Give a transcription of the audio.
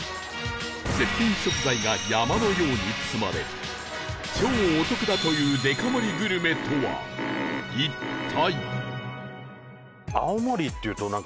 絶品食材が山のように積まれ超お得だというデカ盛りグルメとは一体